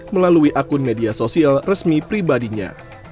melalui akun media sosial resmi pribadinya